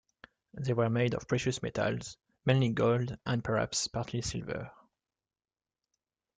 They were made of precious metals, mainly gold and perhaps partly silver.